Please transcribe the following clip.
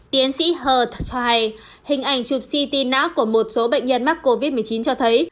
tiến sĩ hurt cho hay hình ảnh chụp si tin não của một số bệnh nhân mắc covid một mươi chín cho thấy